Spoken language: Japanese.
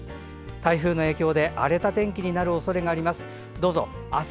台風の影響で荒れた天気になる恐れがあります。